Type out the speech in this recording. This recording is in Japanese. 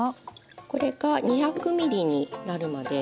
これが２００ミリになるまで。